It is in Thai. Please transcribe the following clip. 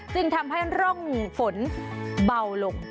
จึงทำให้ร่องฝนเบาลง